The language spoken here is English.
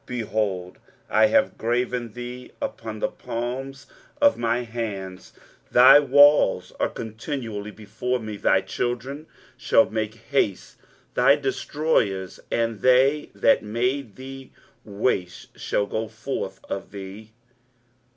23:049:016 Behold, I have graven thee upon the palms of my hands; thy walls are continually before me. 23:049:017 Thy children shall make haste; thy destroyers and they that made thee waste shall go forth of thee.